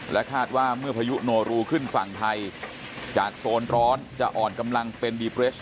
คาดว่าเมื่อพายุโนรูขึ้นฝั่งไทยจากโซนร้อนจะอ่อนกำลังเป็นดีเปรส